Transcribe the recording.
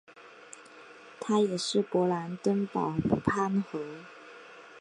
他也是勃兰登堡藩侯。